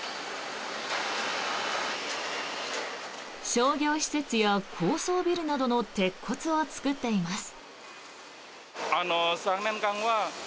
商業施設や高層ビルなどの鉄骨を作っています。